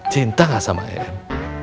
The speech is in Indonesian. cinta gak sama ayah